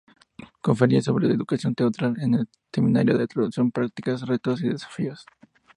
Conferencia sobre traducción teatral en el seminario La traducción: prácticas, retos, desafíos.